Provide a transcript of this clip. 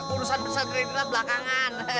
urusan pesat renkila belakangan